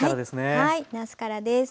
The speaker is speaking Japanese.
はいなすからです。